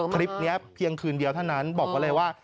คลิปนี้เพียงคืนเดียวเท่านั้นบอกกันเลยว่า